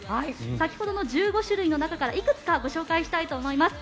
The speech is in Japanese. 先ほどの１５種類の中からいくつかご紹介したいと思います